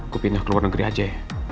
gue pindah ke luar negeri aja ya